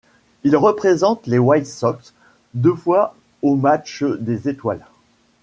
Il représente les White Sox deux fois au match des étoiles.